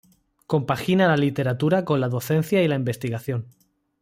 Compagina la literatura con la docencia y la investigación.